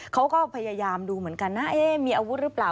เขาก็พยายามดูเหมือนกันนะมีอาวุธหรือเปล่า